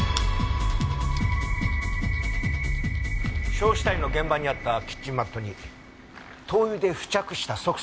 焼死体の現場にあったキッチンマットに灯油で付着した足跡があった。